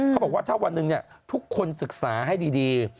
เขาบอกว่าถ้าวันหนึ่งทุกคนศึกษาให้ดี